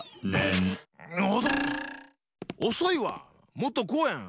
もっとこうやん！